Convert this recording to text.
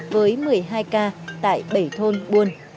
với một mươi hai ca tại bảy thôn buôn